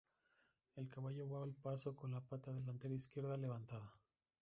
El caballo va al paso, con la pata delantera izquierda levantada.